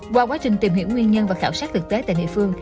qua quá trình tìm hiểu nguyên nhân và khảo sát thực tế tại địa phương